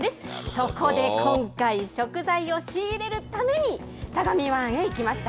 そこで今回、食材を仕入れるために相模湾へ行きました。